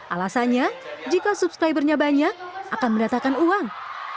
alasannya jika subscribernya banyak akan mendatangkan uang